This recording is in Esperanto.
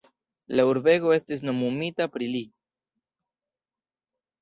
La urbego estis nomumita pri li.